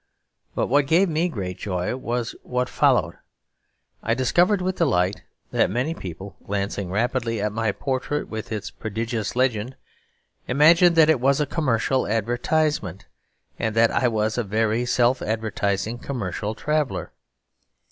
But what gave me great joy was what followed. I discovered with delight that many people, glancing rapidly at my portrait with its prodigious legend, imagined that it was a commercial advertisement, and that I was a very self advertising commercial traveller.